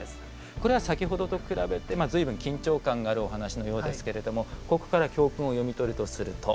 これは先ほどと比べてずいぶん緊張感があるお話のようですけれどもここから教訓を読み取るとすると？